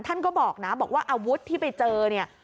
ท่านก็บอกนะบอกว่าอาวุธที่ไปเจอเนี่ย